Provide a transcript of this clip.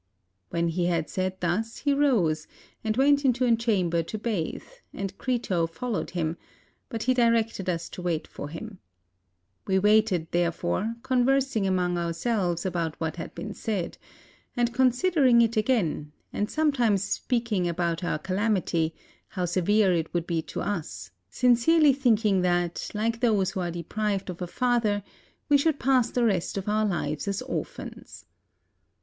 When he had said thus he rose and went into a cham ber to bathe, and Crito followed him, but he directed us to wait for him. We waited, therefore, conversing among ourselves about what had been said, and considering it again, and sometimes speaking about our calamity, how severe it would be to us, sincerely thinking that, like those who are deprived of a father, we should pass the rest of our life as orphans.